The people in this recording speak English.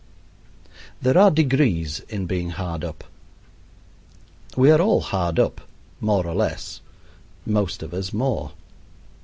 There are degrees in being hard up. We are all hard up, more or less most of us more.